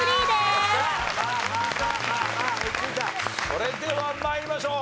それでは参りましょう。